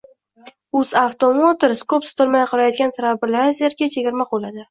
UzAuto Motors ko‘p sotilmay qolayotgan “Trailblazer”ga chegirma qo‘lladi